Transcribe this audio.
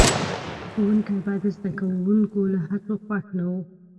ښوونکي به د زده کوونکو له هڅو خوښ نه وو.